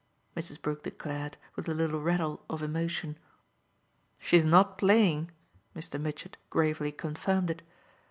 Mrs. Brook declared with a little rattle of emotion. "She's not playing" Mr. Mitchett gravely confirmed it.